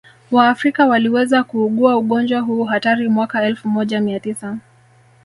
waafrika waliweza kuugua ugonjwa huu hatari mwaka elfu moja mia tisa